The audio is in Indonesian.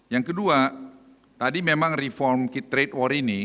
yang kedua tadi memang reform trade war ini